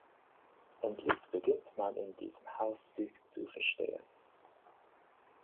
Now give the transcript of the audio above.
Endlich beginnt man in diesem Haus sich zu verstehen.